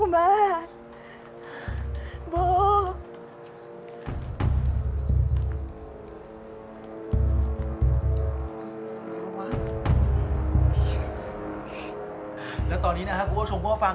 เราไม่สามารถติดต่อกับน้องทางฟัง